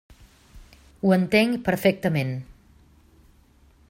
Ho entenc perfectament.